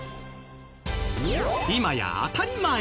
今や当たり前！